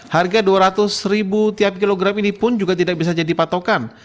harga dua ratus ribu tiap kilogram ini pun juga tidak bisa jadi patokan